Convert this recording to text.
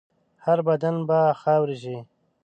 هر بدن به خاوره شي.